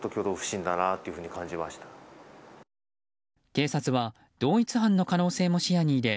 警察は同一犯の可能性も視野に入れ